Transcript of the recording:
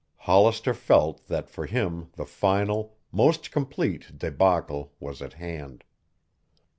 Hollister felt that for him the final, most complete débacle was at hand.